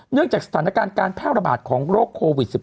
จากสถานการณ์การแพร่ระบาดของโรคโควิด๑๙